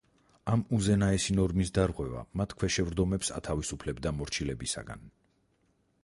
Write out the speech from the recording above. ამ უზენაესი ნორმის დარღვევა მათ ქვეშევრდომებს ათავისუფლებდა მორჩილებისაგან.